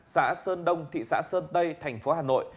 xã sơn đông thị xã sơn tây thành phố hà nội